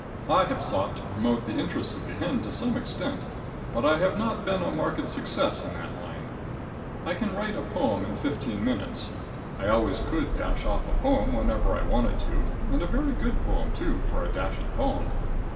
I have sought to promote the interests of the hen to some extent, but I have not been a marked success in that line. I can write a poem in fifteen minutes. I always could dash off a poem whenever I wanted to, and a very good poem, too, for a dashed poem.